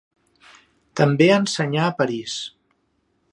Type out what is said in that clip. També ensenyà a París.